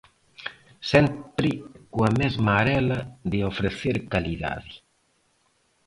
Sempre coa mesma arela de ofrecer calidade.